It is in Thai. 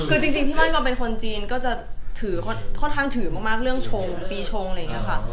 คือจริงที่บ้านเราเป็นคนจีนก็จะถือค่อนข้างถือมากเรื่องชงปีชงอะไรอย่างนี้ค่ะ